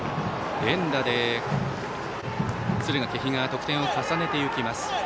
連打で敦賀気比が得点を重ねていきます。